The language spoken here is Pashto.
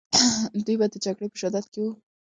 دوی به د جګړې په شدت کې وو.